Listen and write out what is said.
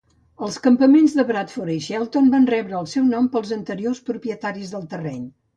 Els campaments Bradford i Shelton van rebre el seu nom pels anteriors propietaris del terreny.